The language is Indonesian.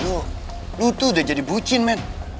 lo lo tuh udah jadi bucin men